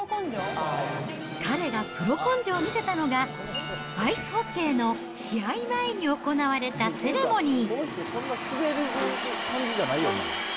彼がプロ根性を見せたのが、アイスホッケーの試合前に行われたセレモニー。